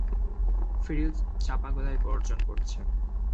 ফিরোজ চাপা গলায় গর্জন করছে।